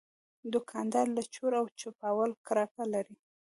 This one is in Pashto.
دوکاندار له چور او چپاول کرکه لري.